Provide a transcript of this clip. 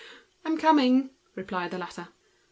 "I'm coming," replied the latter.